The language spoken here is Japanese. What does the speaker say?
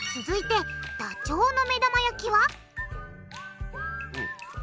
続いてダチョウの目玉焼きは？